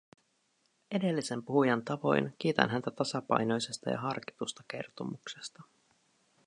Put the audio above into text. Edellisen puhujan tavoin kiitän häntä tasapainoisesta ja harkitusta kertomuksesta.